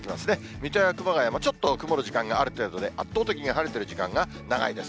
水戸や熊谷もちょっと曇る時間がある程度で、圧倒的に晴れてる時間が長いです。